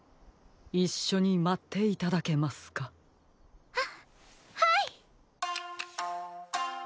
いっしょにまっていただけますか？ははい。